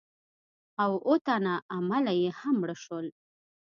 او اووه تنه عمله یې هم مړه شول.